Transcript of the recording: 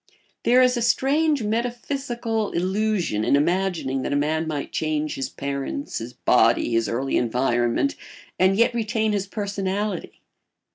There is a strange metaphysical illusion in imagining that a man might change his parents, his body, his early environment, and yet retain his personality.